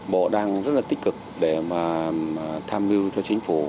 bộ đang rất là tích cực để mà tham mưu cho chính phủ